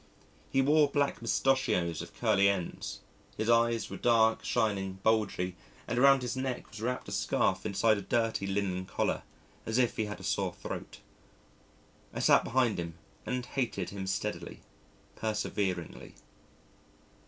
He wore black moustachios with curly ends, his eyes were dark shining, bulgy, and around his neck was wrapped a scarf inside a dirty linen collar, as if he had a sore throat. I sat behind him and hated him steadily, perseveringly.